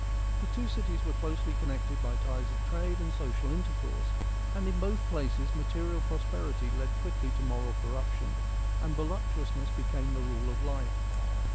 The two cities were closely connected by ties of trade and social intercourse, and in both places material prosperity led quickly to moral corruption, and voluptuousness became the rule of life.